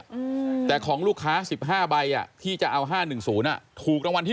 อืมแต่ของลูกค้าสิบห้าใบอ่ะที่จะเอาห้าหนึ่งศูนย์อ่ะถูกรางวัลที่